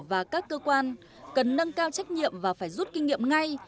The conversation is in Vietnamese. và các cơ quan cần nâng cao trách nhiệm và phải rút kinh nghiệm ngay